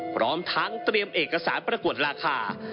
พร้อมทั้งเตรียมเอกสารประกวดราคา